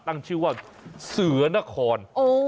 ตั้งชื่อว่าเสือนคร